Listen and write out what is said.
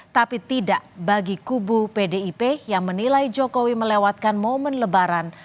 tapi tidak bagi kubu pdip yang menilai jokowi melewatkan momen lebaran